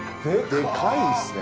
でかいっすね！